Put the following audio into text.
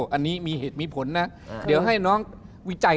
อันนี้มีเหตุมีผลนะเดี๋ยวให้น้องวิจัย